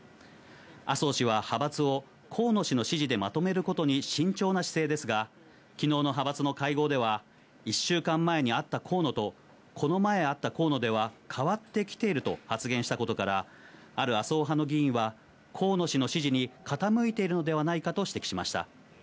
麻生氏は派閥を河野氏の支持でまとめることに慎重な姿勢ですが、きのうの派閥の会合では、１週間に会った河野と、この前会った河野では変わってきていると発言したことから、ある麻生派の議員は、河野氏の支持に傾いてるのではないかと指摘しました。